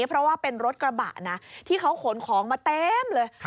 เพราะว่าเป็นรถกระบะนะที่เขาขนของมาเต็มเลย